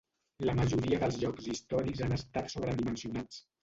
La majoria dels llocs històrics han estat sobredimensionats.